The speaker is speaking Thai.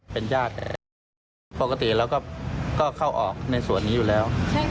เป็นญาติแหละปกติแล้วก็เข้าออกในสวรรค์นี้อยู่แล้ว